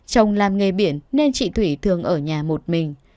chồng làm nghề biển nên chị thủy thường ở nhà một mình